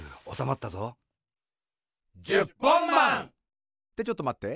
ってちょっとまって。